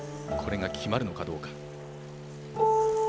これが決まるのかどうか。